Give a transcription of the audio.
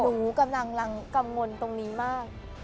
หนูกำลังกังวลตรงนี้มาก